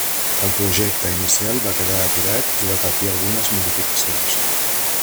El projecte inicial va quedar aturat i va patir algunes modificacions.